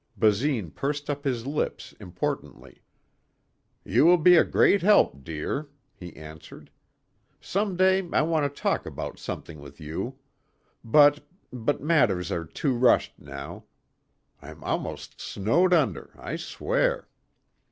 Basine pursed up his lips importantly. "You will be a great help, dear," he answered. "Some day I want to talk about something with you. But ... but matters are too rushed now. I'm almost snowed under, I swear."